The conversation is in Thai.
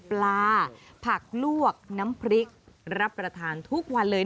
ปลาผักลวกน้ำพริกรับประทานทุกวันเลย